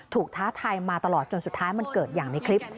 ท้าทายมาตลอดจนสุดท้ายมันเกิดอย่างในคลิป